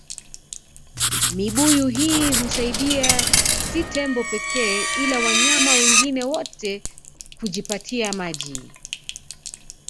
Mibuyu hii husaidia si tembo pekee ila wanyama wengine wote kujipatia maji